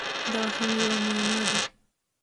دغه هم یوه معما ده!